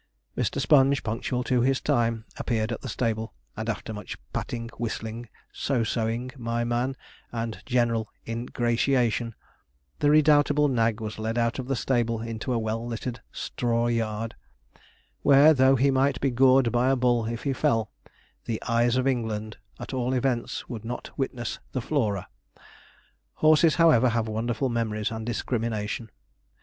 Mr. Sponge, punctual to his time, appeared at the stable, and after much patting, whistling, so so ing, my man, and general ingratiation, the redoubtable nag was led out of the stable into a well littered straw yard, where, though he might be gored by a bull if he fell, the 'eyes of England' at all events would not witness the floorer. Horses, however, have wonderful memories and discrimination.